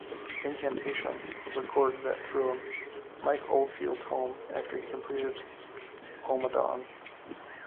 "Incantations" was recorded at Througham, Mike Oldfield's home after he completed "Ommadawn".